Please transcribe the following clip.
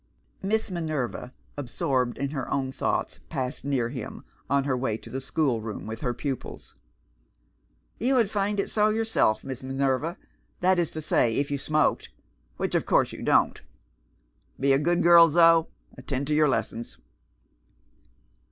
Miss Minerva (absorbed in her own thoughts) passed near him, on her way to the school room with her pupils. "You would find it so yourself, Miss Minerva that is to say, if you smoked, which of course you don't. Be a good girl, Zo; attend to your lessons."